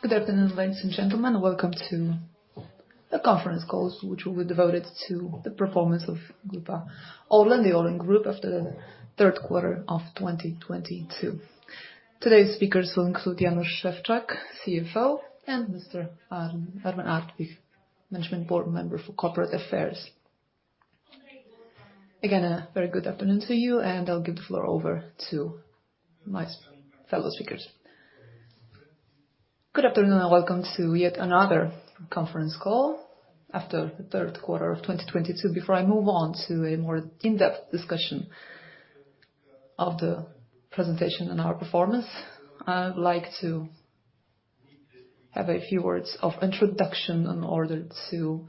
Good afternoon, ladies and gentlemen. Welcome to the conference call, which will be devoted to the performance of Grupa ORLEN, the ORLEN Group, after the third quarter of 2022. Today's speakers will include Janusz Szewczak, CFO, and Mr. Armen Artwich, Management Board Member for Corporate Affairs. A very good afternoon to you, I'll give the floor over to my fellow speakers. Good afternoon, welcome to yet another conference call after the third quarter of 2022. Before I move on to a more in-depth discussion of the presentation and our performance, I would like to have a few words of introduction in order to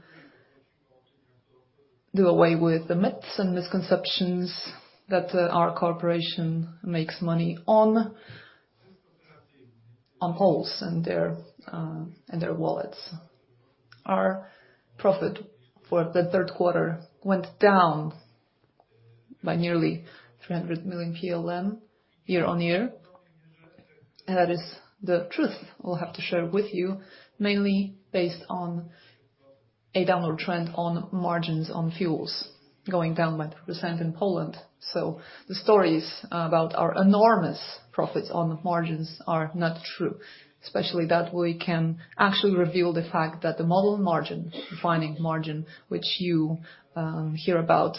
do away with the myths and misconceptions that our corporation makes money on holes and their and their wallets. Our profit for the third quarter went down by nearly PLN 300 million year-on-year. That is the truth we'll have to share with you, mainly based on a downward trend on margins on fuels going down by 30% in Poland. The stories about our enormous profits on margins are not true, especially that we can actually reveal the fact that the model margin, refining margin, which you hear about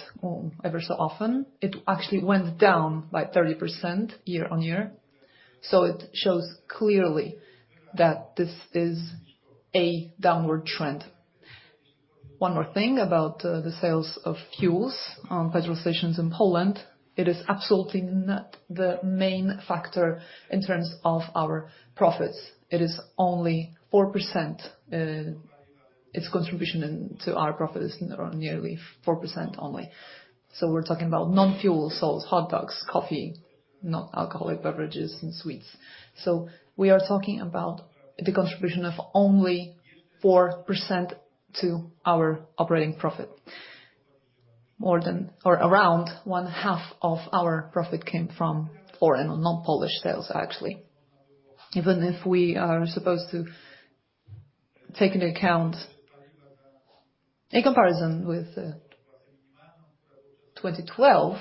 ever so often, it actually went down by 30% year-on-year. It shows clearly that this is a downward trend. One more thing about the sales of fuels on petrol stations in Poland, it is absolutely not the main factor in terms of our profits. It is only 4%, its contribution in to our profit is nearly 4% only. We're talking about non-fuel sales, hot dogs, coffee, non-alcoholic beverages, and sweets. We are talking about the contribution of only 4% to our operating profit. More than or around one half of our profit came from foreign or non-Polish sales, actually. Even if we are supposed to take into account in comparison with 2012,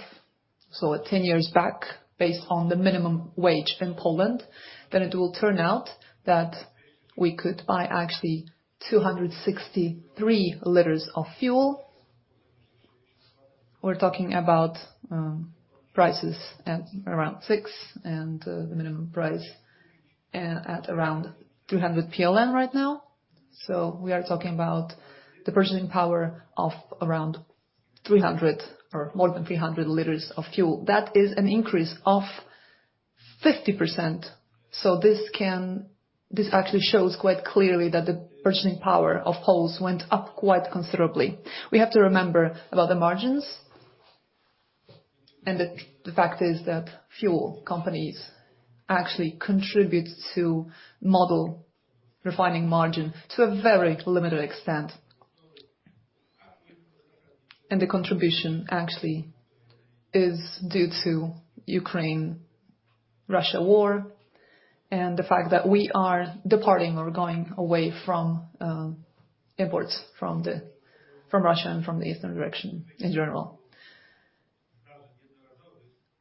so at 10 years back, based on the minimum wage in Poland, then it will turn out that we could buy actually 263 liters of fuel. We're talking about prices at around 6 and the minimum price at around 200 PLN right now. We are talking about the purchasing power of around 300 or more than 300 liters of fuel. That is an increase of 50%. This actually shows quite clearly that the purchasing power of Poles went up quite considerably. We have to remember about the margins, the fact is that fuel companies actually contribute to model refining margin to a very limited extent. The contribution actually is due to Ukraine-Russia war and the fact that we are departing or going away from imports from Russia and from the eastern direction in general.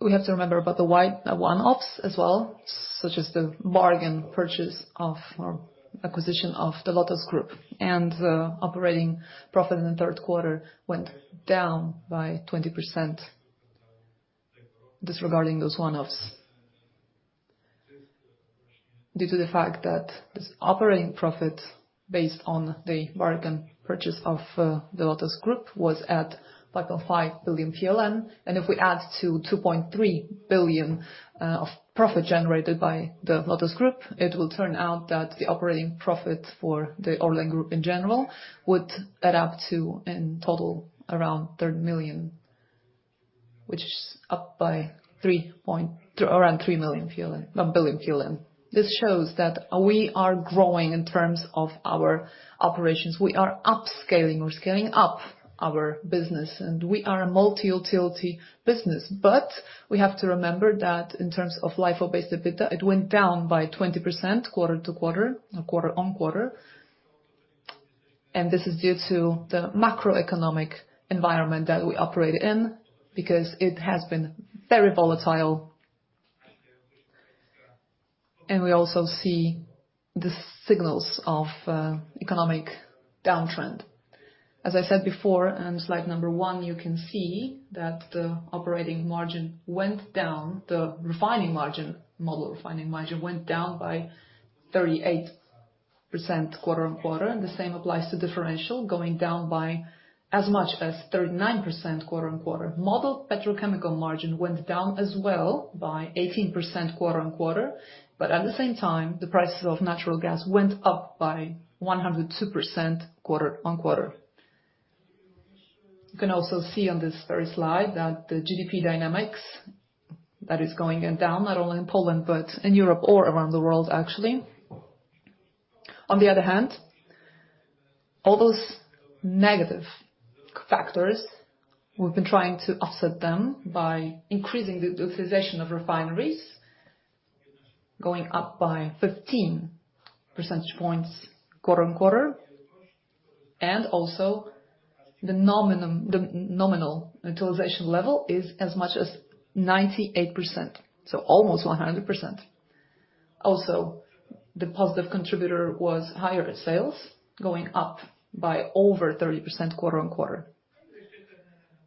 We have to remember about the one-offs as well, such as the bargain purchase of, or acquisition of the LOTOS Group, and the operating profit in the third quarter went down by 20%, disregarding those one-offs. Due to the fact that this operating profit based on the bargain purchase of the LOTOS Group was at 5.5 billion PLN, and if we add 2.3 billion of profit generated by the LOTOS Group, it will turn out that the operating profit for the ORLEN Group in general would add up to, in total, around 30 million PLN, which is up by around 3 billion. This shows that we are growing in terms of our operations. We are upscaling, we're scaling up our business, and we are a multi-utility business. We have to remember that in terms of LIFO-based EBITDA, it went down by 20% quarter to quarter or quarter on quarter. This is due to the macroeconomic environment that we operate in, because it has been very volatile, and we also see the signals of economic downtrend. As I said before, on slide number one, you can see that the operating margin went down. The refining margin, model refining margin, went down by 38% quarter-on-quarter, and the same applies to differential, going down by as much as 39% quarter-on-quarter. Model petrochemical margin went down as well by 18% quarter-on-quarter, but at the same time, the prices of natural gas went up by 102% quarter-on-quarter. You can also see on this very slide that the GDP dynamics that is going down, not only in Poland, but in Europe or around the world actually. On the other hand, all those negative factors, we've been trying to offset them by increasing the utilization of refineries, going up by 13 percentage points quarter-on-quarter. Also, the nominal utilization level is as much as 98%, so almost 100%. Also, the positive contributor was higher at sales, going up by over 30%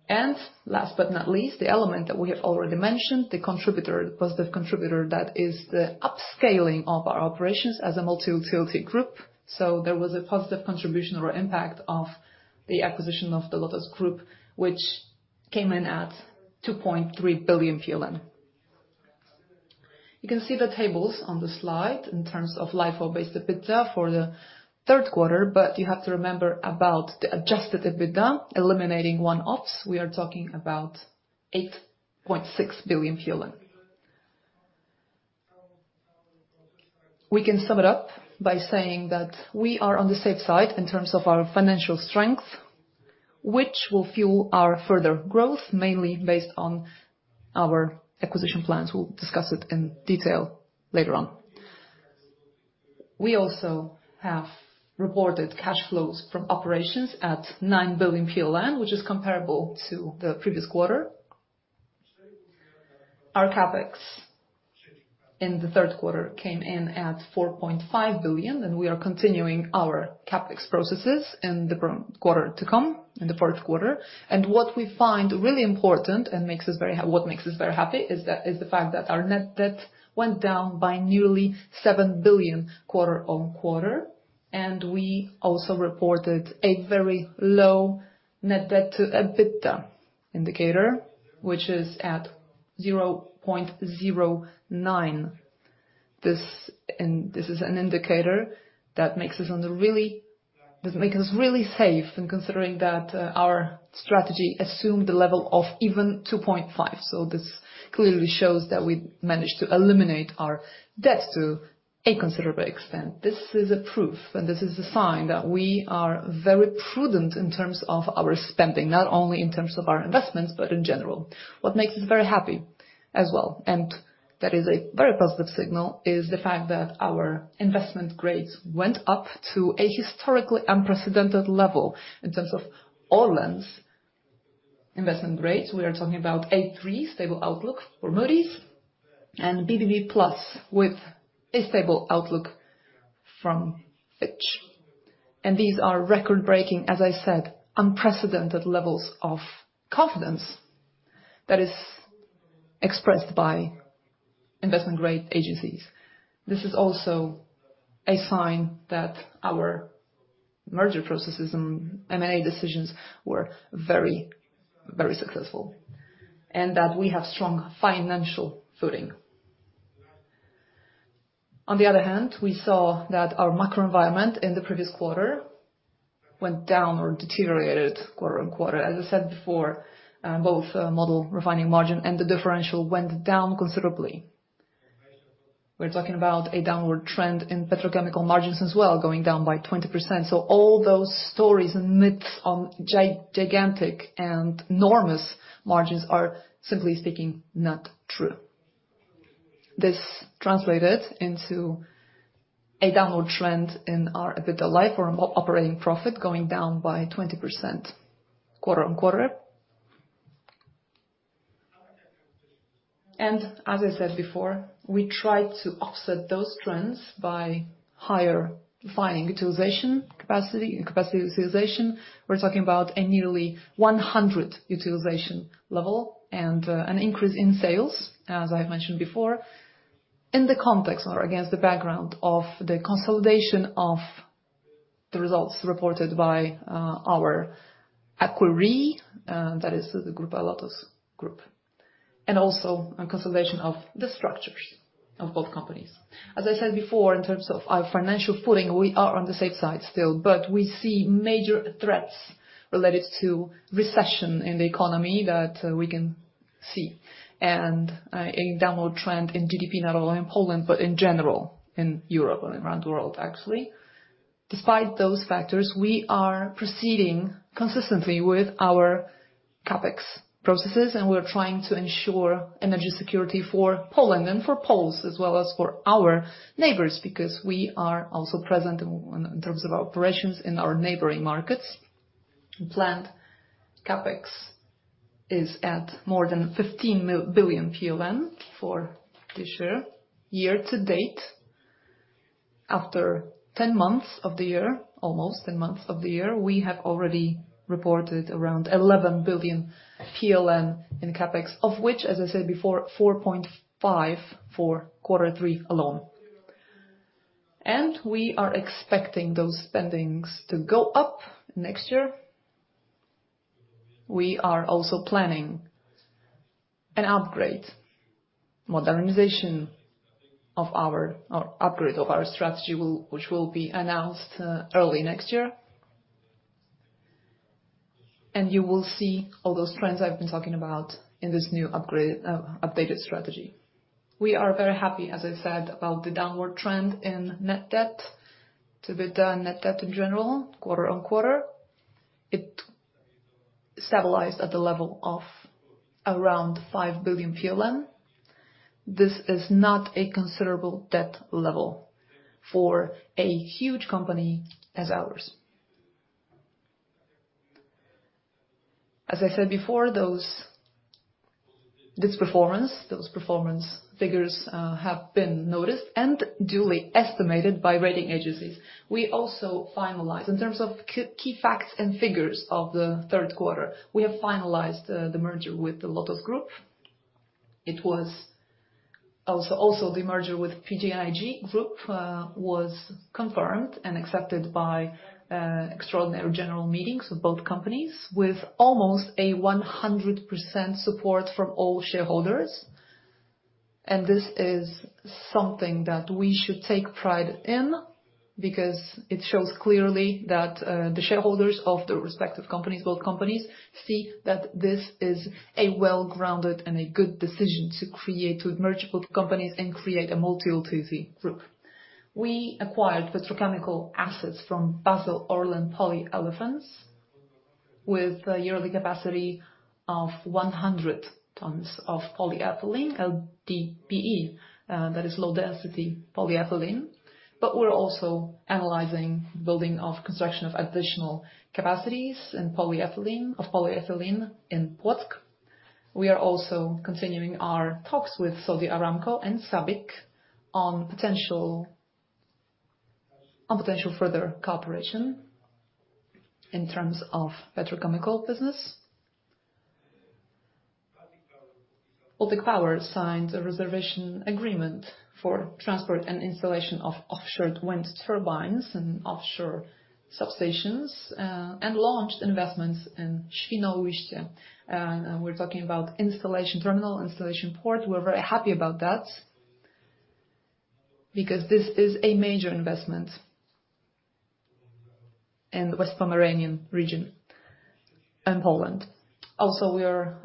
quarter-on-quarter. Last but not least, the element that we have already mentioned, the contributor, positive contributor that is the upscaling of our operations as a multi-utility group. There was a positive contribution or impact of the acquisition of the Grupa LOTOS, which came in at 2.3 billion PLN. You can see the tables on the slide in terms of LIFO-based EBITDA for the third quarter. You have to remember about the adjusted EBITDA eliminating one-offs. We are talking about 8.6 billion. We can sum it up by saying that we are on the safe side in terms of our financial strength, which will fuel our further growth, mainly based on our acquisition plans. We'll discuss it in detail later on. We also have reported cash flows from operations at 9 billion PLN, which is comparable to the previous quarter. Our CapEx in the third quarter came in at 4.5 billion, and we are continuing our CapEx processes in the current quarter to come, in the fourth quarter. What we find really important and what makes us very happy is the fact that our net debt went down by nearly 7 billion quarter-on-quarter. We also reported a very low net debt to EBITDA indicator, which is at 0.09. This is an indicator that makes us really safe in considering that our strategy assumed a level of even 2.5. This clearly shows that we managed to eliminate our debt to a considerable extent. This is a proof, and this is a sign that we are very prudent in terms of our spending, not only in terms of our investments, but in general. What makes us very happy as well, that is a very positive signal, is the fact that our investment grades went up to a historically unprecedented level in terms of ORLEN's investment grades. We are talking about A3 stable outlook for Moody's and BBB+ with a stable outlook from Fitch. These are record-breaking, as I said, unprecedented levels of confidence that is expressed by investment grade agencies. This is also a sign that our merger processes and M&A decisions were very, very successful, and that we have strong financial footing. On the other hand, we saw that our macro environment in the previous quarter went down or deteriorated quarter-on-quarter. As I said before, both model refining margin and the differential went down considerably. We're talking about a downward trend in petrochemical margins as well, going down by 20%. All those stories and myths on gigantic and enormous margins are, simply speaking, not true. This translated into a downward trend in our EBITDA LIFO or operating profit going down by 20% quarter-on-quarter. As I said before, we tried to offset those trends by higher refining utilization capacity and capacity utilization. We're talking about a nearly 100 utilization level and an increase in sales, as I mentioned before, in the context or against the background of the consolidation of the results reported by our acquiree, that is the Grupa LOTOS Group, and also a consolidation of the structures of both companies. As I said before, in terms of our financial footing, we are on the safe side still, but we see major threats related to recession in the economy that we can see and a downward trend in GDP, not only in Poland, but in general in Europe and around the world actually. Despite those factors, we are proceeding consistently with our CapEx processes, and we're trying to ensure energy security for Poland and for Poles as well as for our neighbors, because we are also present in terms of our operations in our neighboring markets. The planned CapEx is at more than 15 billion for this year. Year to date, after 10 months of the year, almost 10 months of the year, we have already reported around 11 billion PLN in CapEx, of which, as I said before, 4.5 for quarter three alone. We are expecting those spendings to go up next year. We are also planning an upgrade, modernization of our or upgrade of our strategy will, which will be announced early next year. You will see all those trends I've been talking about in this new upgrade, updated strategy. We are very happy, as I said, about the downward trend in net debt to EBITDA, net debt in general, quarter on quarter. It stabilized at the level of around 5 billion PLN. This is not a considerable debt level for a huge company as ours. As I said before, This performance, those performance figures have been noticed and duly estimated by rating agencies. We also finalized, in terms of key facts and figures of the third quarter, we have finalized the merger with the Grupa LOTOS. It was also the merger with PGNiG Group was confirmed and accepted by extraordinary general meetings of both companies, with almost a 100% support from all shareholders. This is something that we should take pride in because it shows clearly that the shareholders of the respective companies, both companies, see that this is a well-grounded and a good decision to create, to merge both companies and create a multi-utility group. We acquired petrochemical assets from Basell Orlen Polyolefins with a yearly capacity of 100 tons of polyethylene, LDPE, that is low density polyethylene. We're also analyzing building of construction of additional capacities in polyethylene, of polyethylene in Płock. We are also continuing our talks with Saudi Aramco and SABIC on potential further cooperation in terms of petrochemical business. Baltic Power signed a reservation agreement for transport and installation of offshore wind turbines and offshore substations, launched investments in Świnoujście. We're talking about installation terminal, installation port. We're very happy about that because this is a major investment in the West Pomeranian region in Poland. Also, we are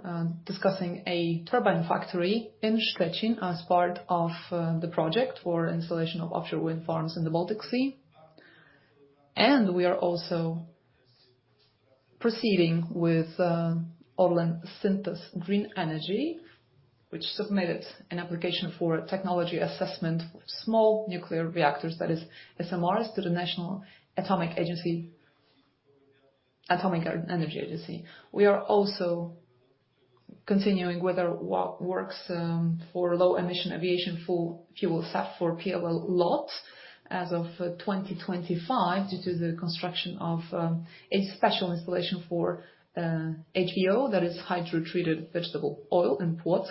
discussing a turbine factory in Szczecin as part of the project for installation of offshore wind farms in the Baltic Sea. We are also proceeding with ORLEN Synthos Green Energy, which submitted an application for technology assessment of small nuclear reactors, that is SMRs, to the National Atomic Energy Agency. We are also continuing with our works for low emission aviation fuel, SAF for PLL LOT as of 2025 due to the construction of a special installation for HVO, that is Hydrotreated Vegetable Oil in Płock.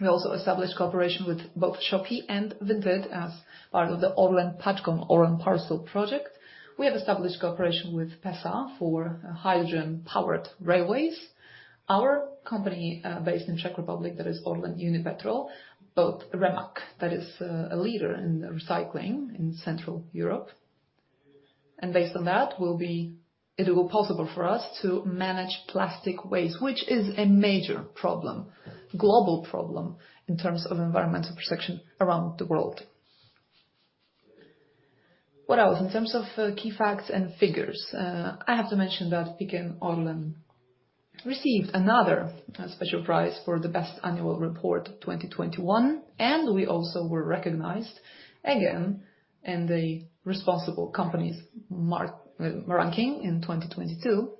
We also established cooperation with both Szoki and Widawid as part of the ORLEN Parcel project. We have established cooperation with Pesa for hydrogen-powered railways. Our company, based in Czech Republic, that is ORLEN Unipetrol, bought REMAQ, that is a leader in recycling in Central Europe. Based on that, it will be possible for us to manage plastic waste, which is a major problem, global problem in terms of environmental protection around the world. What else? In terms of key facts and figures, I have to mention that PKN ORLEN received another special prize for the best annual report 2021, we also were recognized again in the responsible companies ranking in 2022.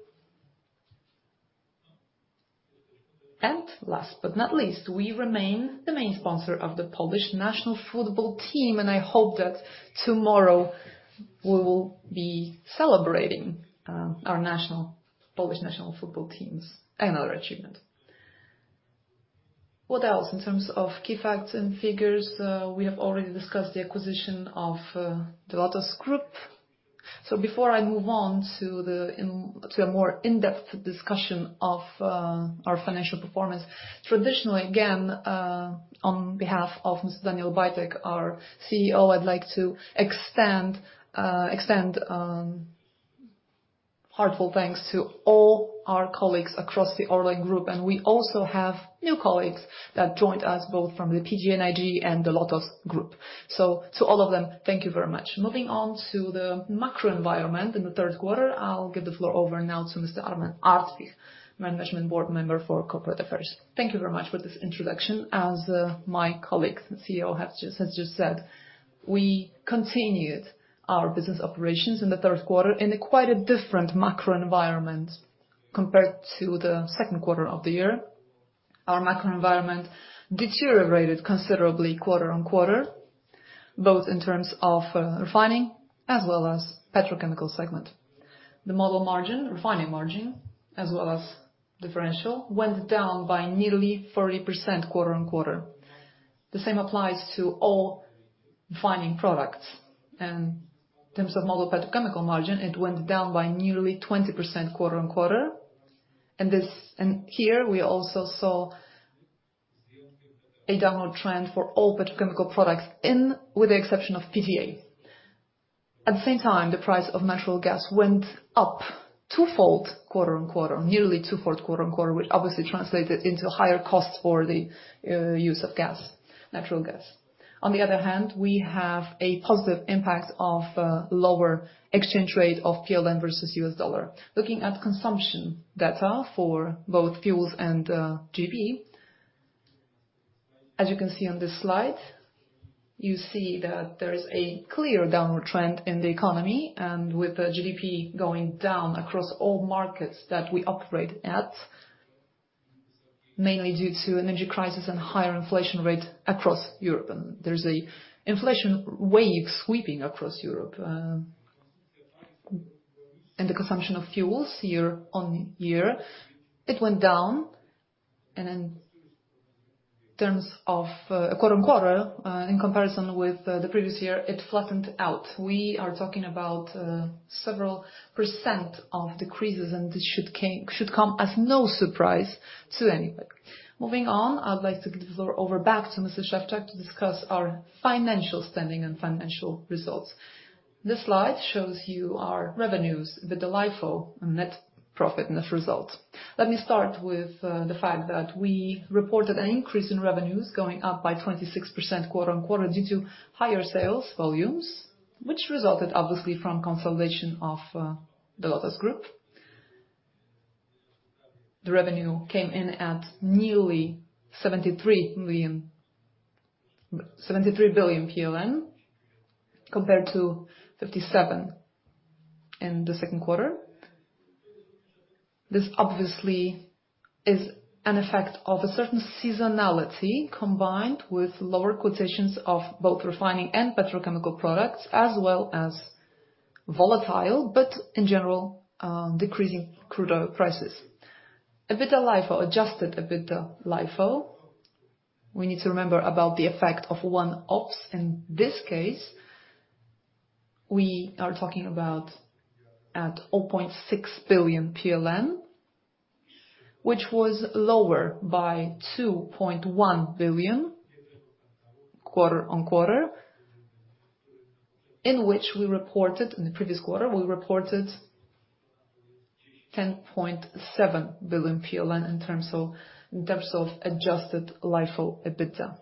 Last but not least, we remain the main sponsor of the Polish national football team, and I hope that tomorrow we will be celebrating Polish national football team's another achievement. What else? In terms of key facts and figures, we have already discussed the acquisition of the LOTOS Group. Before I move on to a more in-depth discussion of our financial performance, traditionally, again, on behalf of Mr. Daniel Obajtek, our CEO, I'd like to extend heartfelt thanks to all our colleagues across the ORLEN Group. We also have new colleagues that joined us both from the PGNiG and the LOTOS Group. To all of them, thank you very much. Moving on to the macro environment in the third quarter, I'll give the floor over now to Mr. Armen Artwich, Management Board Member for Corporate Affairs. Thank you very much for this introduction. As my colleague, the CEO, has just said, we continued our business operations in the third quarter in a quite a different macro environment compared to the second quarter of the year. Our macro environment deteriorated considerably quarter on quarter, both in terms of refining as well as petrochemical segment. The model margin, refining margin, as well as differential, went down by nearly 40% quarter on quarter. The same applies to all refining products. In terms of model petrochemical margin, it went down by nearly 20% quarter on quarter. Here we also saw a downward trend for all petrochemical products in with the exception of PTA. At the same time, the price of natural gas went up 2-fold quarter-on-quarter, nearly 2-fold quarter-on-quarter, which obviously translated into higher costs for the use of gas, natural gas. On the other hand, we have a positive impact of lower exchange rate of PLN versus the U.S. dollar. Looking at consumption data for both fuels and GDP, as you can see on this slide, you see that there is a clear downward trend in the economy and with the GDP going down across all markets that we operate at, mainly due to energy crisis and higher inflation rate across Europe. There's an inflation wave sweeping across Europe. The consumption of fuels year-on-year, it went down. In terms of quarter-on-quarter, in comparison with the previous year, it flattened out. We are talking about several percent of decreases, and this should come as no surprise to anybody. Moving on, I would like to give the floor over back to Mr. Szewczak to discuss our financial standing and financial results. This slide shows you our revenues with the LIFO net profit net results. Let me start with the fact that we reported an increase in revenues going up by 26% quarter-on-quarter due to higher sales volumes, which resulted obviously from consolidation of the Grupa LOTOS. The revenue came in at nearly 73 million... 73 billion PLN compared to 57 billion PLN in the second quarter. This obviously is an effect of a certain seasonality combined with lower quotations of both refining and petrochemical products, as well as volatile, but in general, decreasing crude oil prices. EBITDA LIFO, adjusted EBITDA LIFO, we need to remember about the effect of one-offs. In this case, we are talking about at 0.6 billion PLN, which was lower by 2.1 billion quarter-on-quarter, in which we reported... In the previous quarter, we reported 10.7 billion PLN in terms of, in terms of adjusted LIFO EBITDA.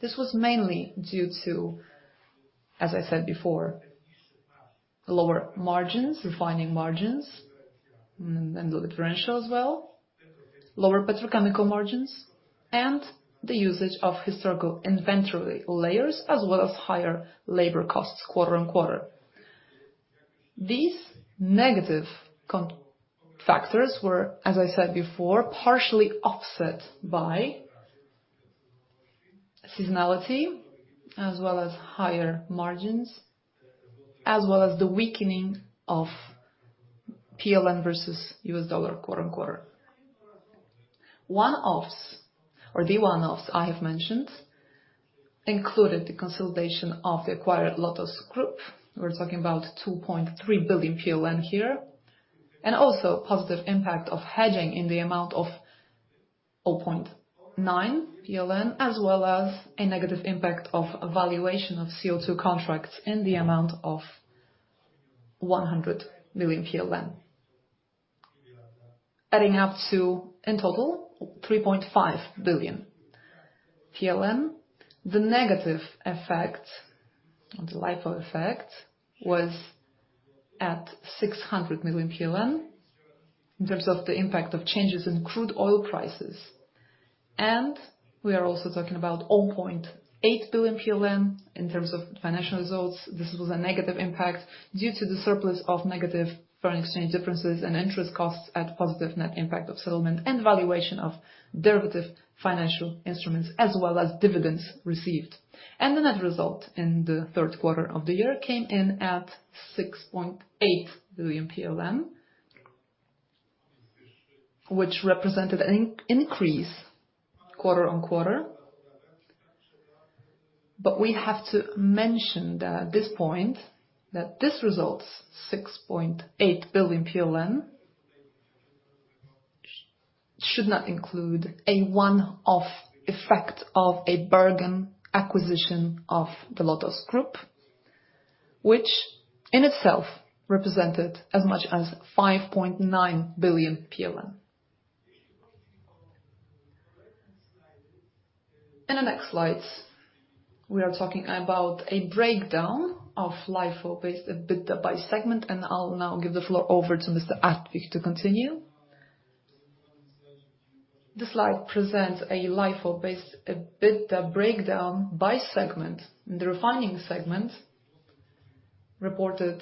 This was mainly due to, as I said before, lower margins, refining margins, and the differential as well, lower petrochemical margins, and the usage of historical inventory layers, as well as higher labor costs quarter-on-quarter. These negative factors were, as I said before, partially offset by seasonality as well as higher margins, as well as the weakening of PLN versus U.S. dollar quarter-on-quarter. One-offs or the one-offs I have mentioned included the consolidation of the acquired LOTOS Group. We're talking about 2.3 billion PLN here. Also positive impact of hedging in the amount of 0.9 PLN, as well as a negative impact of valuation of CO2 contracts in the amount of 100 million PLN. Adding up to, in total, 3.5 billion PLN. The negative effect, the LIFO effect, was at 600 million in terms of the impact of changes in crude oil prices. We are also talking about 0.8 billion PLN in terms of financial results. This was a negative impact due to the surplus of negative foreign exchange differences and interest costs at positive net impact of settlement and valuation of derivative financial instruments, as well as dividends received. The net result in the third quarter of the year came in at 6.8 billion, which represented an increase quarter-on-quarter. We have to mention that at this point that this result, 6.8 billion PLN, should not include a one-off effect of a bargain acquisition of the Grupa LOTOS, which in itself represented as much as 5.9 billion. In the next slides, we are talking about a breakdown of LIFO-based EBITDA by segment, and I'll now give the floor over to Mr. Artwich to continue. The slide presents a LIFO-based EBITDA breakdown by segment. The refining segment reported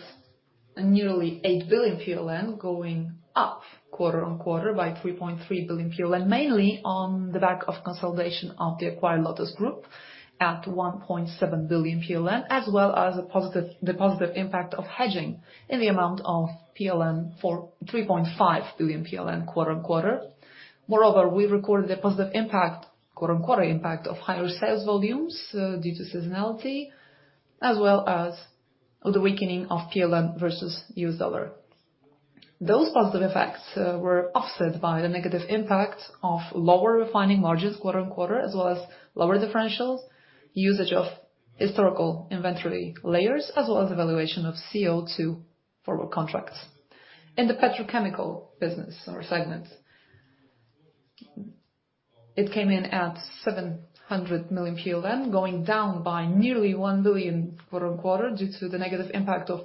nearly 8 billion PLN, going up quarter-on-quarter by 3.3 billion PLN, mainly on the back of consolidation of the acquired Grupa LOTOS at 1.7 billion PLN, as well as a positive... The positive impact of hedging in the amount of 3.5 billion PLN quarter-on-quarter. We recorded a positive impact, quarter-on-quarter impact of higher sales volumes, due to seasonality, as well as the weakening of PLN versus U.S. dollar. Those positive effects were offset by the negative impact of lower refining margins quarter-on-quarter, as well as lower differentials, usage of historical inventory layers, as well as valuation of CO2 forward contracts. In the petrochemical business or segment, it came in at 700 million PLN, going down by nearly 1 billion quarter-on-quarter due to the negative impact of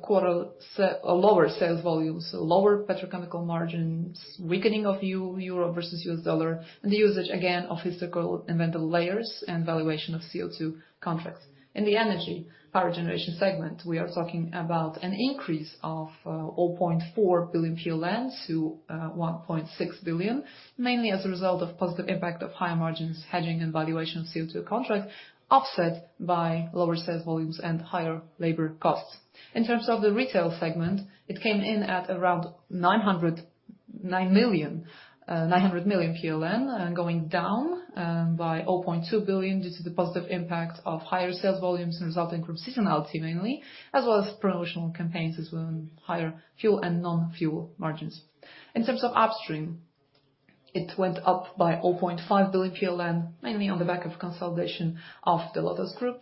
lower sales volumes, so lower petrochemical margins, weakening of Euro versus U.S. dollar, and the usage again of historical inventory layers and valuation of CO2 contracts. In the energy power generation segment, we are talking about an increase of 0.4 billion PLN to 1.6 billion, mainly as a result of positive impact of higher margins hedging and valuation CO2 contracts, offset by lower sales volumes and higher labor costs. In terms of the retail segment, it came in at around 909 million, 900 million PLN, going down by 0.2 billion due to the positive impact of higher sales volumes resulting from seasonality mainly, as well as promotional campaigns, as well higher fuel and non-fuel margins. In terms of upstream, it went up by 0.5 billion PLN, mainly on the back of consolidation of the LOTOS Group.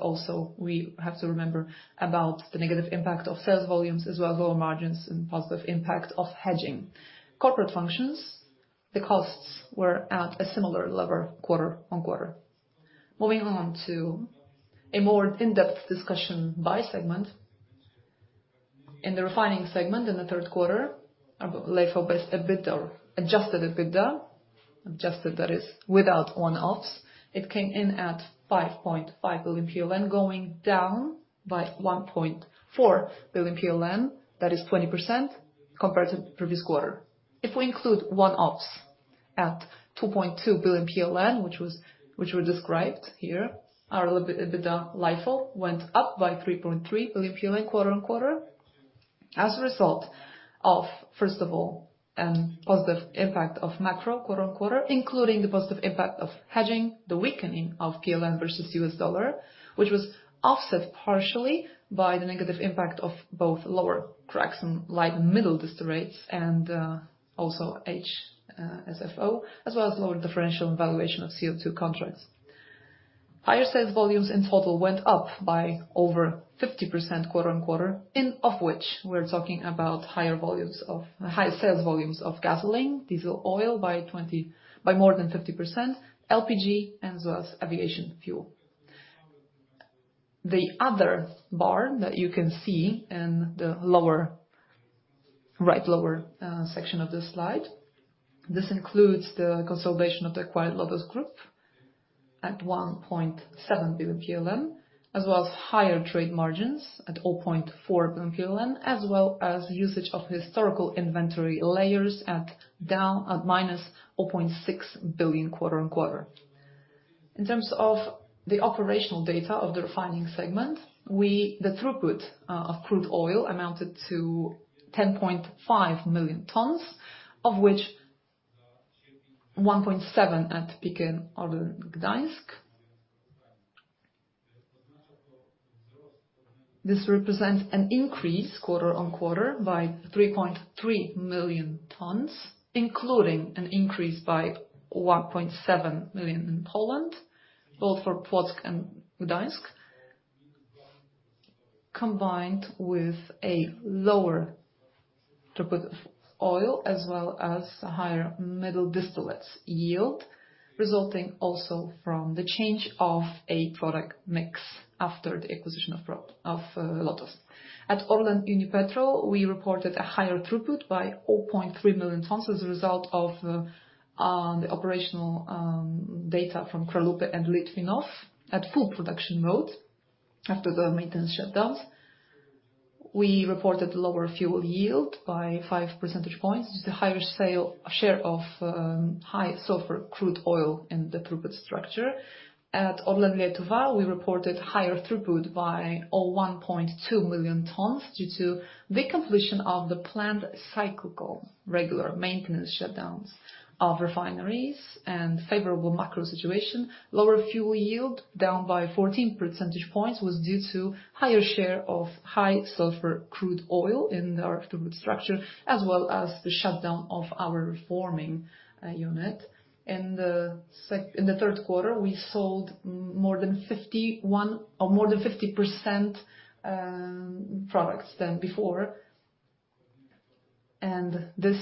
Also we have to remember about the negative impact of sales volumes, as well as lower margins and positive impact of hedging. Corporate functions, the costs were at a similar level quarter-on-quarter. Moving on to a more in-depth discussion by segment. In the refining segment in the third quarter, our LIFO-based EBITDA, adjusted EBITDA, adjusted that is without one-offs, it came in at 5.5 billion PLN, going down by 1.4 billion PLN. That is 20% compared to previous quarter. We include one-offs at 2.2 billion PLN, which were described here, our EBITDA LIFO went up by 3.3 billion PLN quarter-on-quarter as a result of, first of all, positive impact of macro quarter-on-quarter, including the positive impact of hedging, the weakening of PLN versus U.S. dollar, which was offset partially by the negative impact of both lower cracks in light and middle dist rates and also HSFO, as well as lower differential valuation of CO2 contracts. Higher sales volumes in total went up by over 50% quarter-on-quarter, of which we're talking about higher sales volumes of gasoline, diesel oil by more than 50%, LPG as well as aviation fuel. The other bar that you can see in the right lower section of this slide, this includes the consolidation of the acquired LOTOS Group at 1.7 billion, as well as higher trade margins at 0.4 billion, as well as usage of historical inventory layers down at minus 0.6 billion quarter-on-quarter. In terms of the operational data of the refining segment, the throughput of crude oil amounted to 10.5 million tons, of which 1.7 at PKN ORLEN Gdańsk. This represents an increase quarter on quarter by 3.3 million tons, including an increase by 1.7 million in Poland, both for Płock and Gdańsk, combined with a lower throughput of oil, as well as a higher middle distillates yield, resulting also from the change of a product mix after the acquisition of LOTOS. At ORLEN Unipetrol, we reported a higher throughput by 0.3 million tons as a result of the operational data from Kralupy and Litvinov at full production mode after the maintenance shutdowns. We reported lower fuel yield by 5 percentage points due to higher share of high sulfur crude oil in the throughput structure. At ORLEN Lietuva, we reported higher throughput by 1.2 million tons due to the completion of the planned cyclical regular maintenance shutdowns of refineries and favorable macro situation. Lower fuel yield, down by 14 percentage points, was due to higher share of high sulfur crude oil in our throughput structure, as well as the shutdown of our reforming unit. In the third quarter, we sold more than 51 or more than 50% products than before. This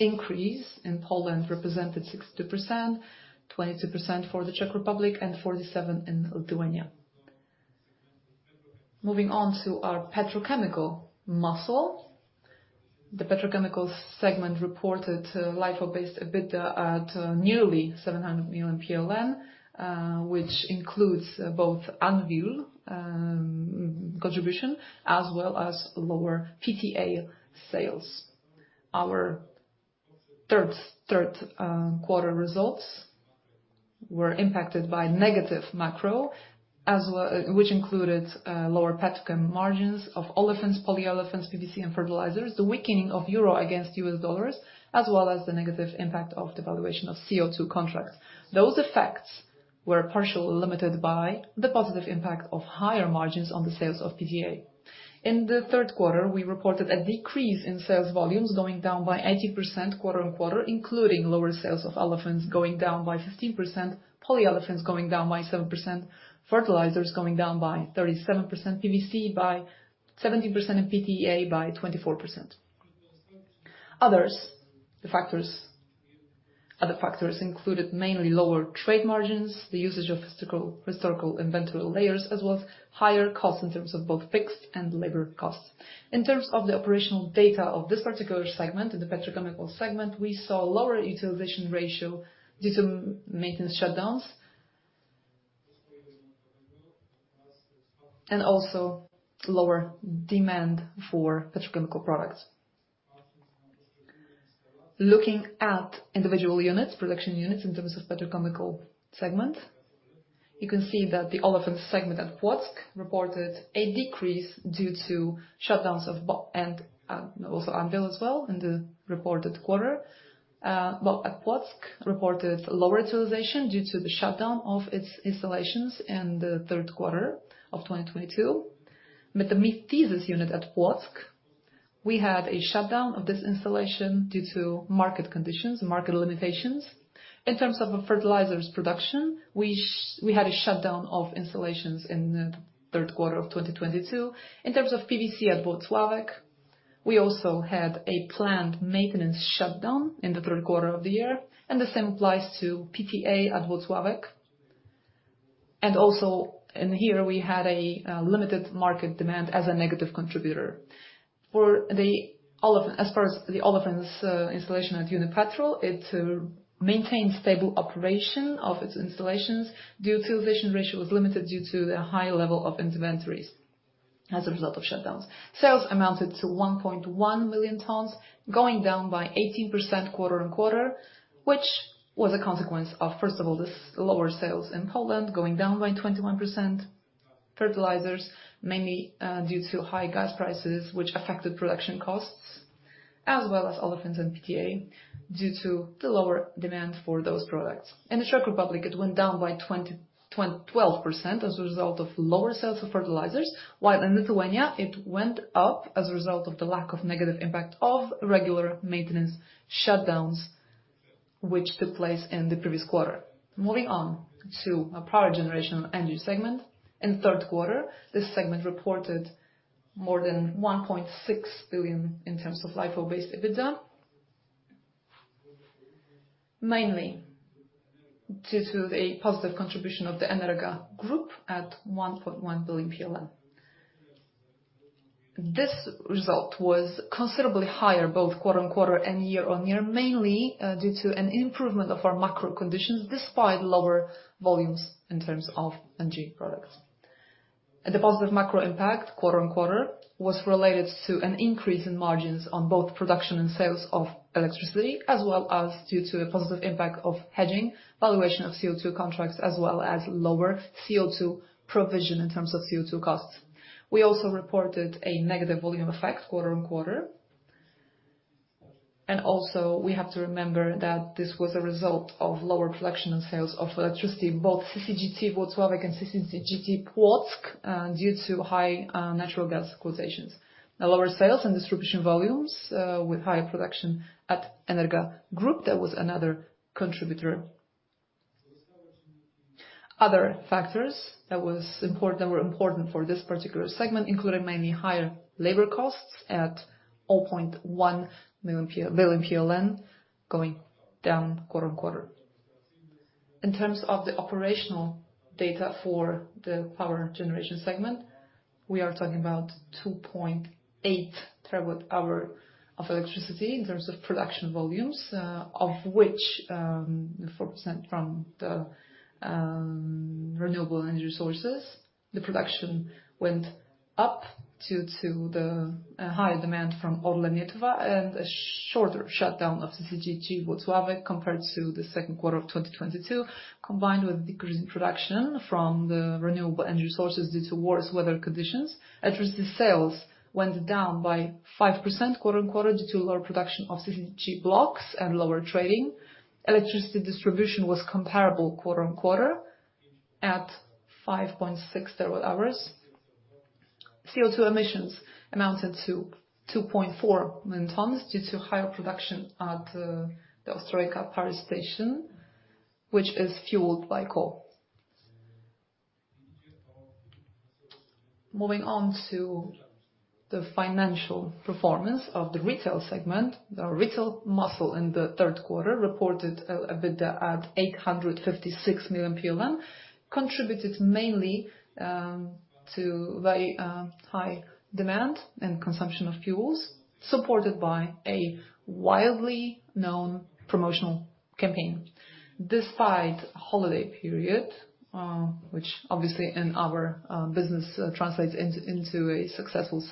increase in Poland represented 62%, 22% for the Czech Republic, and 47 in Lithuania. Moving on to our petrochemical margin. The petrochemicals segment reported LIFO-based EBITDA at nearly 700 million PLN, which includes both Anwil contribution as well as lower PTA sales. Our third quarter results were impacted by negative macro as well, which included lower petchem margins of olefins, polyolefins, PVC and fertilizers. The weakening of EUR against U.S. dollars, as well as the negative impact of the valuation of CO2 contracts. Those effects were partially limited by the positive impact of higher margins on the sales of PTA. In the third quarter, we reported a decrease in sales volumes going down by 80% quarter-on-quarter, including lower sales of olefins going down by 15%, polyolefins going down by 7%, fertilizers going down by 37%, PVC by 17%, and PTA by 24%. Other factors included mainly lower trade margins, the usage of historical inventory layers, as well as higher costs in terms of both fixed and labor costs. In terms of the operational data of this particular segment, in the petrochemical segment, we saw lower utilization ratio due to maintenance shutdowns, and also lower demand for petrochemical products. Looking at individual units, production units in terms of petrochemical segment, you can see that the olefins segment at Płock reported a decrease due to shutdowns of BOB and also Anwil as well in the reported quarter. Well, at Płock, reported lower utilization due to the shutdown of its installations in the third quarter of 2022. Metathesis unit at Płock, we had a shutdown of this installation due to market conditions and market limitations. In terms of the fertilizers production, we had a shutdown of installations in the third quarter of 2022. In terms of PVC at Włocławek, we also had a planned maintenance shutdown in the 3rd quarter of the year, and the same applies to PTA at Włocławek. Also in here, we had a limited market demand as a negative contributor. For the olefin, as far as the olefins installation at Unipetrol, it maintained stable operation of its installations. The utilization ratio was limited due to the high level of inventories as a result of shutdowns. Sales amounted to 1.1 million tons, going down by 18% quarter-on-quarter, which was a consequence of, first of all, this lower sales in Poland, going down by 21%. Fertilizers, mainly due to high gas prices, which affected production costs as well as olefins and PTA due to the lower demand for those products. In the Czech Republic, it went down by 20...12% as a result of lower sales of fertilizers, while in Lithuania, it went up as a result of the lack of negative impact of regular maintenance shutdowns, which took place in the previous quarter. Moving on to our power generation energy segment. In the third quarter, this segment reported more than 1.6 billion in terms of LIFO-based EBITDA, mainly due to the positive contribution of the Energa Group at 1.1 billion. This result was considerably higher both quarter-on-quarter and year-on-year, mainly due to an improvement of our macro conditions despite lower volumes in terms of energy products. The positive macro impact quarter-on-quarter was related to an increase in margins on both production and sales of electricity, as well as due to the positive impact of hedging valuation of CO2 contracts, as well as lower CO2 provision in terms of CO2 costs. We also reported a negative volume effect quarter-on-quarter. Also, we have to remember that this was a result of lower production and sales of electricity, both CCGT Włocławek and CCGT Płock, due to high natural gas quotations. The lower sales and distribution volumes, with higher production at Energa Group, that was another contributor. Other factors that were important for this particular segment included mainly higher labor costs at 0.1 million PLN, going down quarter-on-quarter. In terms of the operational data for the power generation segment, we are talking about 2.8 terawatt-hours of electricity in terms of production volumes, of which 4% from the renewable energy sources. The production went up due to the higher demand from ORLEN Lietuva and a shorter shutdown of CCGT Włocławek compared to the second quarter of 2022, combined with decrease in production from the renewable energy sources due to worse weather conditions. Electricity sales went down by 5% quarter-on-quarter due to lower production of CCGT blocks and lower trading. Electricity distribution was comparable quarter-on-quarter at 5.6 terawatt-hours. CO2 emissions amounted to 2.4 million tons due to higher production at the Ostrołęka power station, which is fueled by coal. Moving on to the financial performance of the retail segment. The retail muscle in the third quarter reported an EBITDA at 856 million PLN, contributed mainly to very high demand and consumption of fuels, supported by a widely known promotional campaign. Despite holiday period, which obviously in our business translates into a successful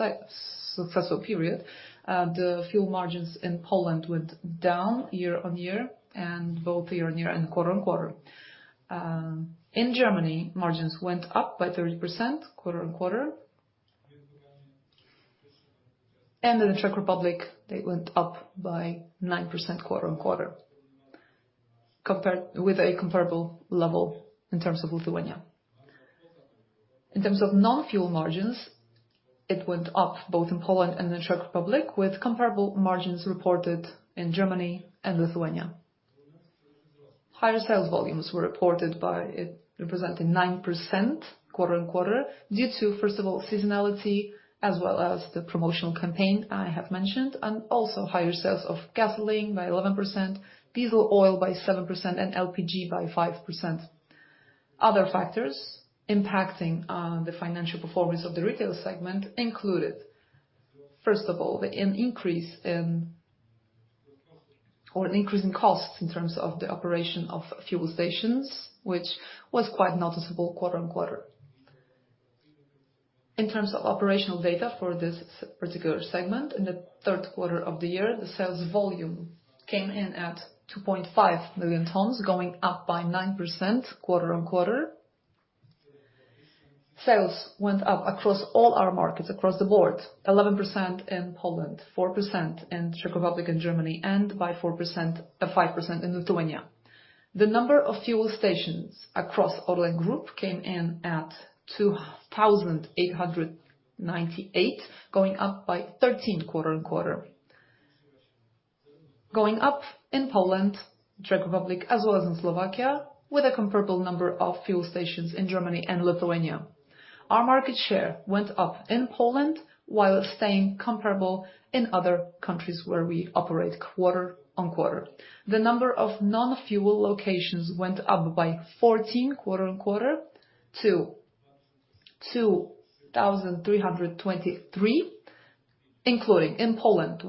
period, the fuel margins in Poland went down year-on-year and both year-on-year and quarter-on-quarter. In Germany, margins went up by 30% quarter-on-quarter. In the Czech Republic, they went up by 9% quarter-on-quarter, compared with a comparable level in terms of Lithuania. In terms of non-fuel margins, it went up both in Poland and the Czech Republic, with comparable margins reported in Germany and Lithuania. Higher sales volumes were reported by it, representing 9% quarter-on-quarter, due to, first of all, seasonality as well as the promotional campaign I have mentioned. Also, higher sales of gasoline by 11%, diesel oil by 7%, and LPG by 5%. Other factors impacting the financial performance of the retail segment included, first of all, an increase in costs in terms of the operation of fuel stations, which was quite noticeable quarter-on-quarter. In terms of operational data for this particular segment, in the third quarter of the year, the sales volume came in at 2.5 million tons, going up by 9% quarter-on-quarter. Sales went up across all our markets across the board, 11% in Poland, 4% in Czech Republic and Germany, and by 4%, 5% in Lithuania. The number of fuel stations across ORLEN Group came in at 2,898, going up by 13 quarter-on-quarter. Going up in Poland, Czech Republic, as well as in Slovakia, with a comparable number of fuel stations in Germany and Lithuania. Our market share went up in Poland while staying comparable in other countries where we operate quarter-on-quarter. The number of non-fuel locations went up by 14 quarter-on-quarter to 2,323, including in Poland,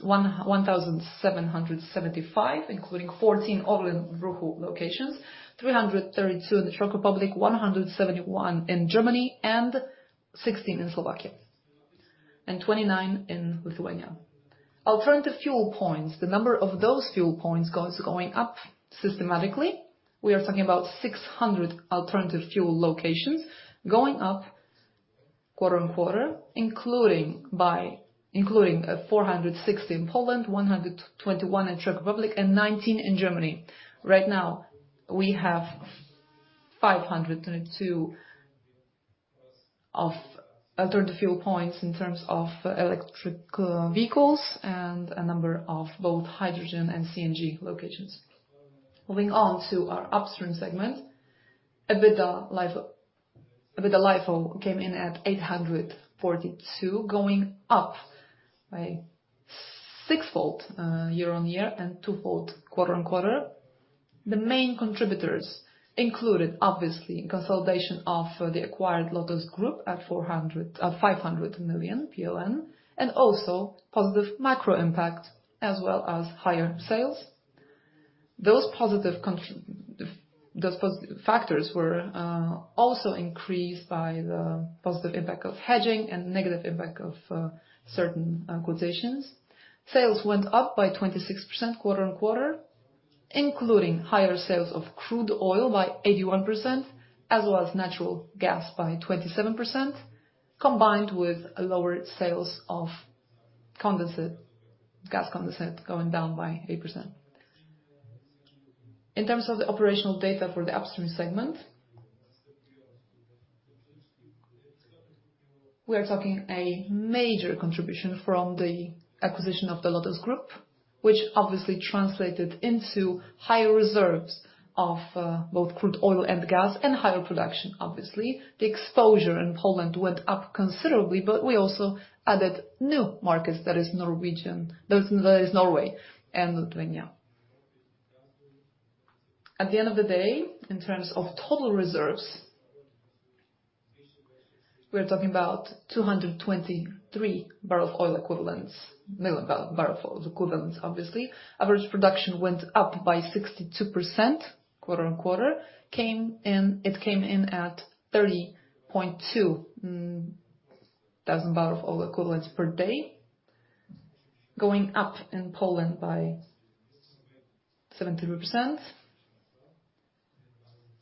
1,775, including 14 ORLEN Ruch locations, 332 in the Czech Republic, 171 in Germany, 16 in Slovakia, and 29 in Lithuania. Alternative fuel points, the number of those fuel points going up systematically. We are talking about 600 alternative fuel locations, going up quarter-on-quarter, including 460 in Poland, 121 in Czech Republic, and 19 in Germany. Right now we have 502 of alternative fuel points in terms of electric vehicles and a number of both hydrogen and CNG locations. Moving on to our upstream segment. EBITDA LIFO came in at 842, going up by six-fold year-on-year and two-fold quarter-on-quarter. The main contributors included, obviously, consolidation of the acquired LOTOS Group at 500 million, and also positive macro impact, as well as higher sales. Those pos factors were also increased by the positive impact of hedging and negative impact of certain acquisitions. Sales went up by 26% quarter on quarter, including higher sales of crude oil by 81% as well as natural gas by 27%, combined with a lower sales of condensate, gas condensate, going down by 8%. In terms of the operational data for the upstream segment, we are talking a major contribution from the acquisition of the Grupa LOTOS, which obviously translated into higher reserves of both crude oil and gas, and higher production, obviously. The exposure in Poland went up considerably, but we also added new markets, that is Norwegian, that is, that is Norway and Lithuania. At the end of the day, in terms of total reserves, we are talking about 223 barrel oil equivalents, million barrel oil equivalents, obviously. Average production went up by 62% quarter-on-quarter, it came in at 30.2 thousand barrels of oil equivalent per day, going up in Poland by 73%.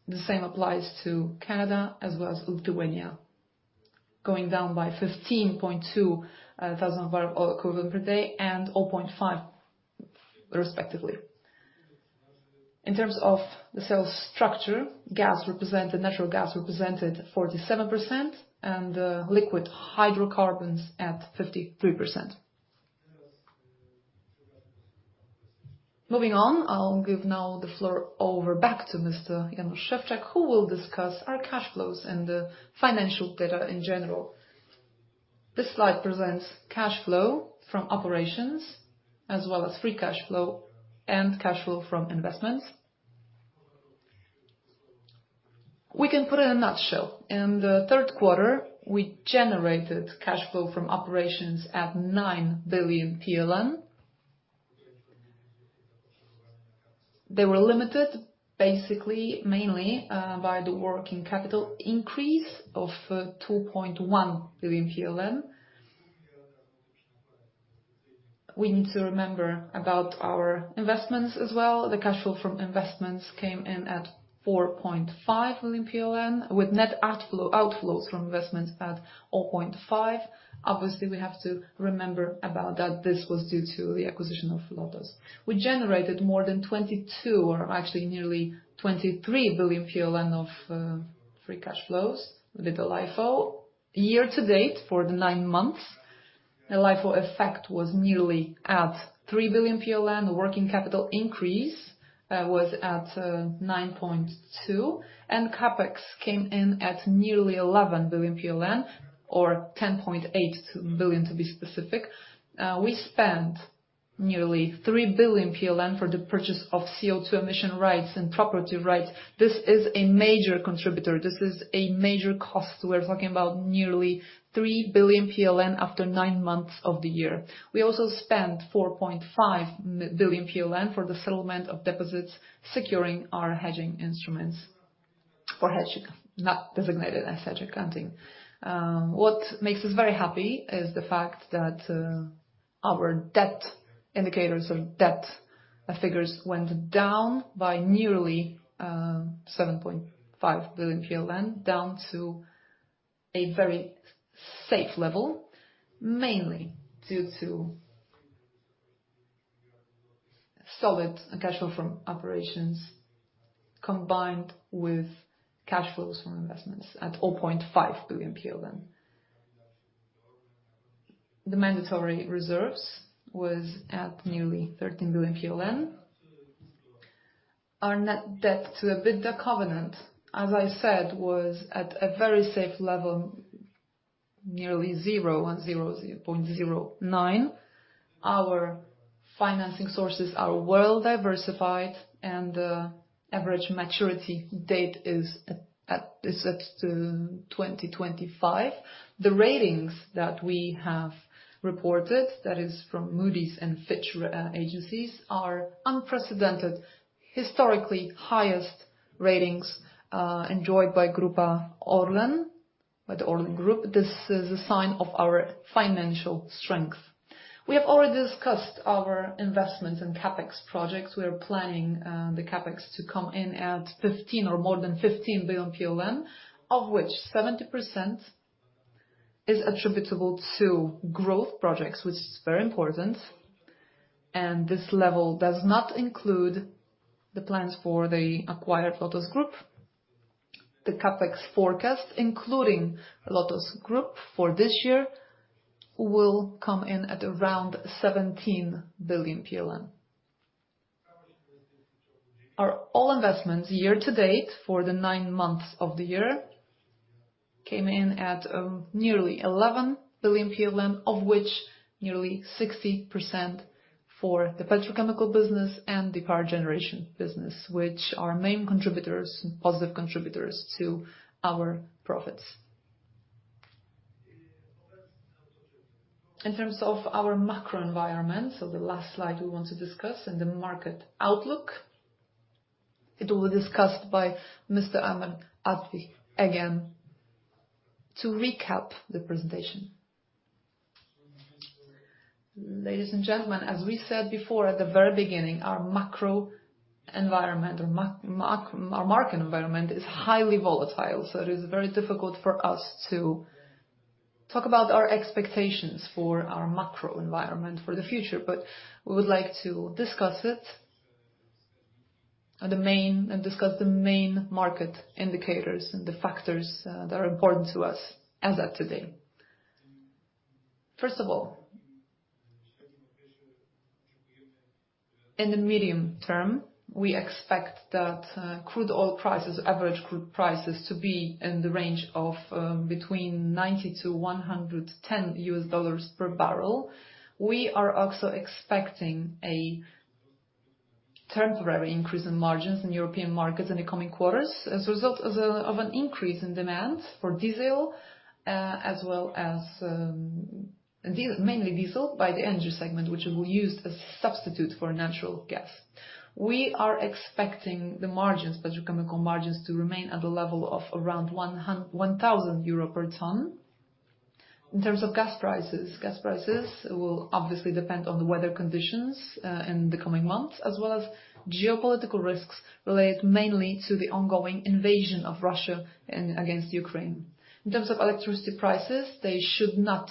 The same applies to Canada as well as Lithuania, going down by 15, 200 barrels of oil equivalent per day and 0.5 respectively. In terms of the sales structure, natural gas represented 47% and liquid hydrocarbons at 53%. Moving on, I'll give now the floor over back to Mr. Janusz Szewczak, who will discuss our cash flows and the financial data in general. This slide presents cash flow from operations as well as free cash flow and cash flow from investments. We can put it in a nutshell. In the third quarter, we generated cash flow from operations at 9 billion PLN. They were limited basically, mainly, by the working capital increase of 2.1 billion. We need to remember about our investments as well. The cash flow from investments came in at 4.5 billion, with net outflows from investments at all point five. Obviously, we have to remember about that this was due to the acquisition of LOTOS. We generated more than 22, or actually nearly 23 billion PLN of free cash flows with the LIFO. Year to date, for the 9 months, the LIFO effect was nearly at 3 billion PLN. Working capital increase was at 9.2 billion, and CapEx came in at nearly 11 billion PLN, or 10.8 billion to be specific. We spent nearly 3 billion PLN for the purchase of CO2 emission rights and property rights. This is a major contributor. This is a major cost. We're talking about nearly 3 billion PLN after nine months of the year. We also spent 4.5 billion PLN for the settlement of deposits, securing our hedging instruments for hedging, not designated as such accounting. What makes us very happy is the fact that our debt indicators or debt figures went down by nearly 7.5 billion PLN, down to a very safe level, mainly due to solid cash flow from operations, combined with cash flows from investments at 0.5 billion. The mandatory reserves was at nearly 13 billion PLN. Our net debt to EBITDA covenant, as I said, was at a very safe level, nearly zero, at 0.09. Our financing sources are well diversified and average maturity date is at 2025. The ratings that we have reported, that is from Moody's and Fitch agencies, are unprecedented, historically highest ratings enjoyed by Grupa ORLEN, by the ORLEN Group. This is a sign of our financial strength. We have already discussed our investment in CapEx projects. We are planning the CapEx to come in at 15 billion or more than 15 billion PLN, of which 70% is attributable to growth projects, which is very important. This level does not include the plans for the acquired LOTOS Group. The CapEx forecast, including LOTOS Group for this year, will come in at around 17 billion PLN. Our all investments year to date for the 9 months of the year came in at nearly 11 billion PLN, of which nearly 60% for the petrochemical business and the power generation business, which are main contributors and positive contributors to our profits. In terms of our macro environment, the last slide we want to discuss and the market outlook, it will be discussed by Mr. Armen Artwich again. To recap the presentation, ladies and gentlemen, as we said before at the very beginning, our macro environment or our market environment is highly volatile, it is very difficult for us to talk about our expectations for our macro environment for the future. We would like to discuss the main market indicators and the factors that are important to us as at today. First of all, in the medium term, we expect that crude oil prices, average crude prices, to be in the range of between $90-$110 per barrel. We are also expecting a temporary increase in margins in European markets in the coming quarters as a result of an increase in demand for diesel, as well as diesel, mainly diesel by the energy segment, which will be used as substitute for natural gas. We are expecting the margins, petrochemical margins, to remain at a level of around 1,000 euro per ton. In terms of gas prices, gas prices will obviously depend on the weather conditions in the coming months, as well as geopolitical risks related mainly to the ongoing invasion of Russia against Ukraine. In terms of electricity prices, they should not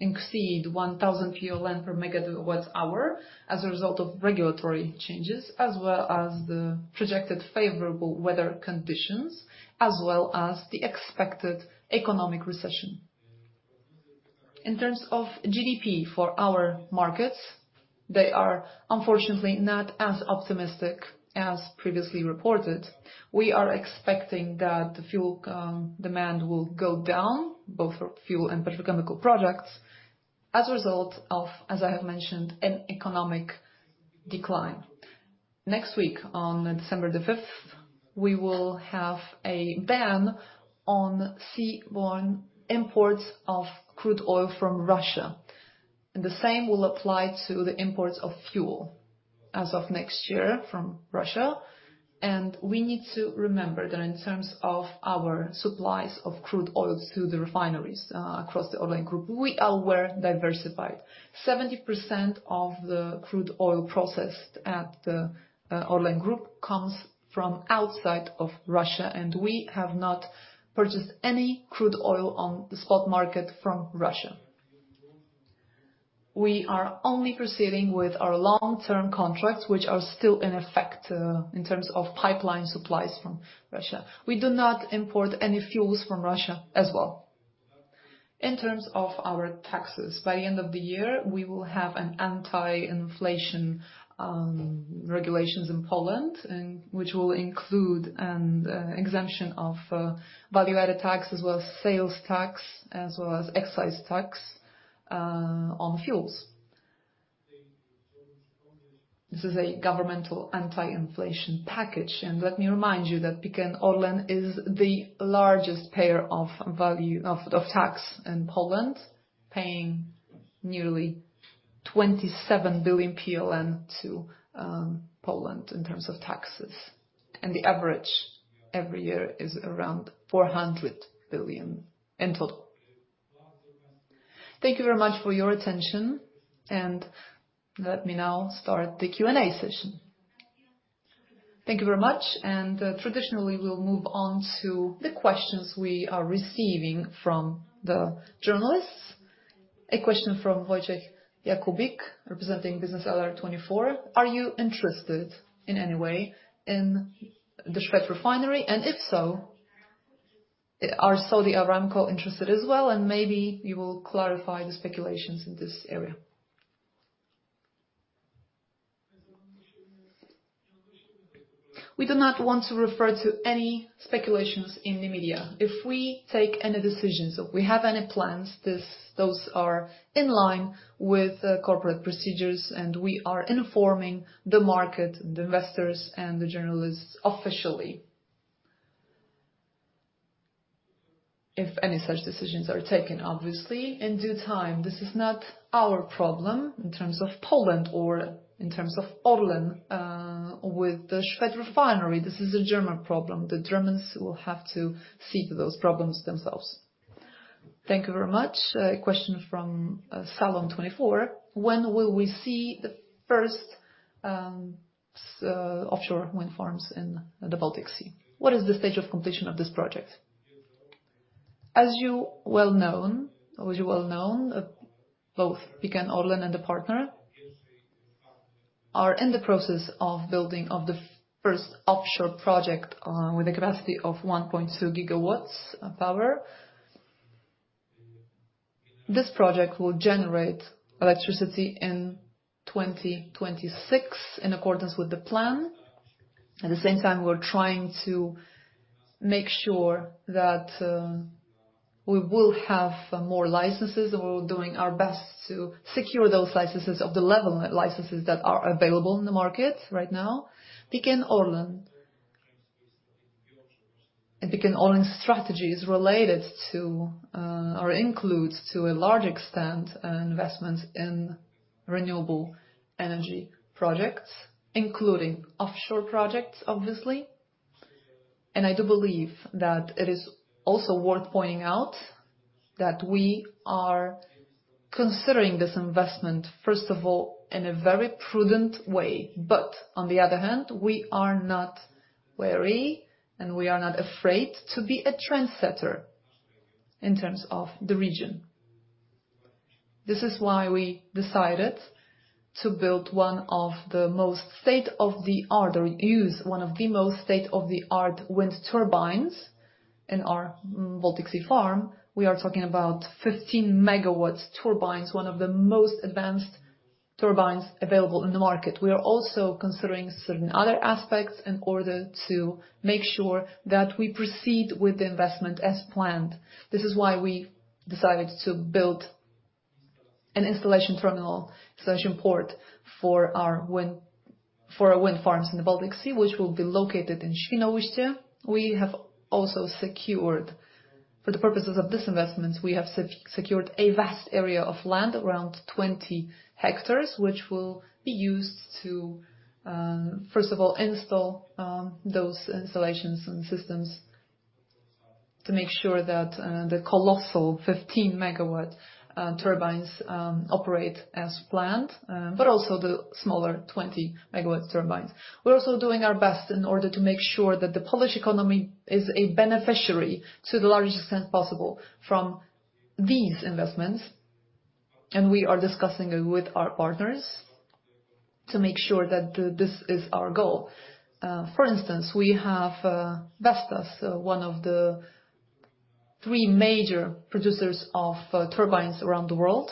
exceed 1,000 PLN per megawatt-hours as a result of regulatory changes, as well as the projected favorable weather conditions, as well as the expected economic recession. In terms of GDP for our markets, they are unfortunately not as optimistic as previously reported. We are expecting that the fuel demand will go down, both for fuel and petrochemical products, as a result of, as I have mentioned, an economic decline. Next week, on December the fifth, we will have a ban on seaborne imports of crude oil from Russia, and the same will apply to the imports of fuel as of next year from Russia. We need to remember that in terms of our supplies of crude oil to the refineries across the ORLEN Group, we are well diversified. 70% of the crude oil processed at the ORLEN Group comes from outside of Russia, and we have not purchased any crude oil on the spot market from Russia. We are only proceeding with our long-term contracts, which are still in effect, in terms of pipeline supplies from Russia. We do not import any fuels from Russia as well. In terms of our taxes, by the end of the year, we will have an anti-inflation regulations in Poland which will include an exemption of value-added tax as well as sales tax, as well as excise tax on fuels. This is a governmental anti-inflation package. Let me remind you that PKN ORLEN is the largest payer of value of tax in Poland, paying nearly 27 billion PLN to Poland in terms of taxes. The average every year is around 400 billion in total. Thank you very much for your attention, Let me now start the Q&A session. Thank you very much. Traditionally, we'll move on to the questions we are receiving from the journalists. A question from Wojciech Jakubik, representing BiznesAlert.pl. Are you interested in any way in the Schwedt Refinery? If so, are Saudi Aramco interested as well? Maybe you will clarify the speculations in this area. We do not want to refer to any speculations in the media. If we take any decisions or if we have any plans, those are in line with corporate procedures, and we are informing the market, the investors, and the journalists officially. If any such decisions are taken, obviously in due time. This is not our problem in terms of Poland or in terms of ORLEN with the Schwedt Refinery. This is a German problem. The Germans will have to see to those problems themselves. Thank you very much. A question from Salon24. When will we see the first offshore wind farms in the Baltic Sea? What is the stage of completion of this project? As you well-known, both PKN ORLEN and the partner are in the process of building of the first offshore project, with a capacity of 1.2 GW of power. This project will generate electricity in 2026, in accordance with the plan. At the same time, we're trying to make sure that we will have more licenses. We're doing our best to secure those licenses of the level of licenses that are available in the market right now. PKN ORLEN's strategy is related to, or includes, to a large extent, investments in renewable energy projects, including offshore projects, obviously. I do believe that it is also worth pointing out that we are considering this investment, first of all, in a very prudent way, but on the other hand, we are not wary, and we are not afraid to be a trendsetter in terms of the region. This is why we decided to build one of the most state-of-the-art, or use one of the most state-of-the-art wind turbines in our Baltic Sea farm. We are talking about 15 GW turbines, one of the most advanced turbines available in the market. We are also considering certain other aspects in order to make sure that we proceed with the investment as planned. This is why we decided to build an installation terminal, installation port for our wind, for our wind farms in the Baltic Sea, which will be located in Świnoujście. We have also secured, for the purposes of this investment, we have secured a vast area of land, around 20 hectares, which will be used to, first of all, install those installations and systems to make sure that the colossal 15 MW turbines operate as planned, but also the smaller 20 MW turbines. We're also doing our best in order to make sure that the Polish economy is a beneficiary to the largest extent possible from these investments, and we are discussing with our partners to make sure that this is our goal. For instance, we have Vestas, one of the three major producers of turbines around the world.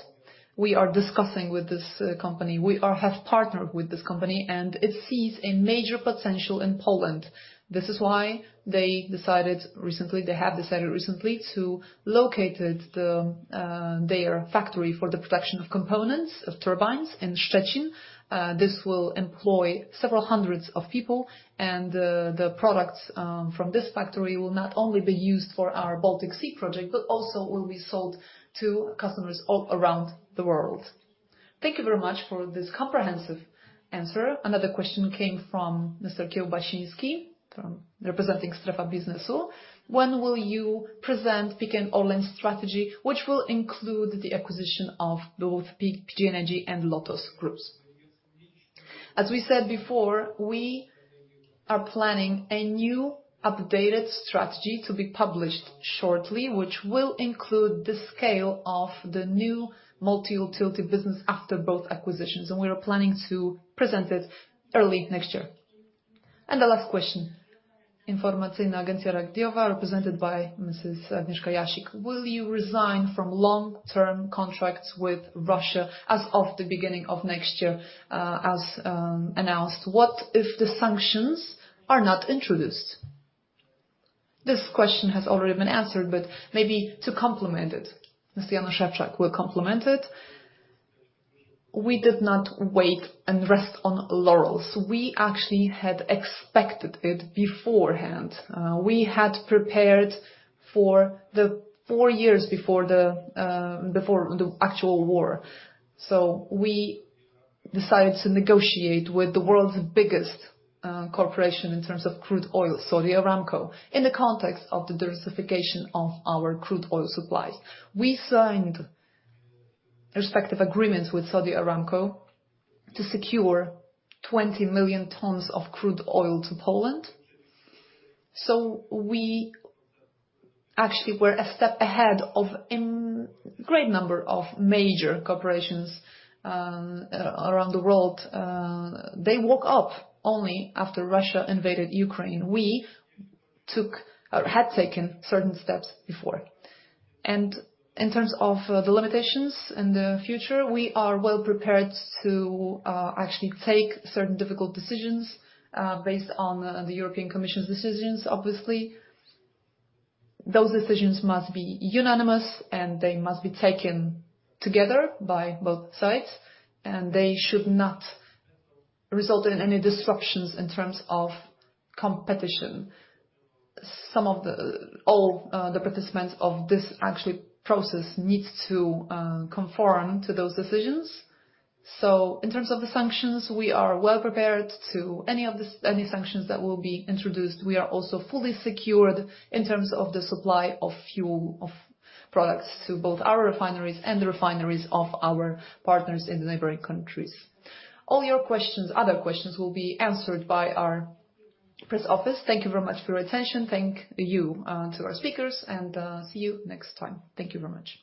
We are discussing with this company. We have partnered with this company, and it sees a major potential in Poland. This is why they have decided recently to locate it, the factory for the production of components of turbines in Szczecin. This will employ several hundreds of people, and the products from this factory will not only be used for our Baltic Sea project, but also will be sold to customers all around the world. Thank you very much for this comprehensive answer. Another question came from Mr. Keobachinski, from representing Strefa Biznesu. When will you present PKN ORLEN's strategy which will include the acquisition of both PGNiG and Grupa LOTOS? As we said before, we are planning a new updated strategy to be published shortly, which will include the scale of the new multi-utility business after both acquisitions, and we are planning to present it early next year. The last question. Informacyjna Agencja Radiowa, represented by Mrs. Agnieszka Jasik. Will you resign from long-term contracts with Russia as of the beginning of next year, as announced? What if the sanctions are not introduced? This question has already been answered, maybe to complement it. Ms. Janusz Szewczak will complement it. We did not wait and rest on laurels. We actually had expected it beforehand. We had prepared for the 4 years before the actual war. We decided to negotiate with the world's biggest corporation in terms of crude oil, Saudi Aramco, in the context of the diversification of our crude oil supply. We signed respective agreements with Saudi Aramco to secure 20 million tons of crude oil to Poland. We actually were a step ahead of a great number of major corporations around the world. They woke up only after Russia invaded Ukraine. Had taken certain steps before. In terms of the limitations in the future, we are well-prepared to actually take certain difficult decisions based on the European Commission's decisions, obviously. Those decisions must be unanimous, and they must be taken together by both sides, and they should not result in any disruptions in terms of competition. All the participants of this actually process needs to conform to those decisions. In terms of the sanctions, we are well prepared to any sanctions that will be introduced. We are also fully secured in terms of the supply of fuel of products to both our refineries and the refineries of our partners in the neighboring countries. All your questions, other questions will be answered by our press office. Thank you very much for your attention. Thank you to our speakers and see you next time. Thank you very much.